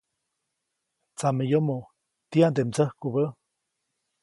Tsameyomoʼ ¿tiyande mdsäjkubä?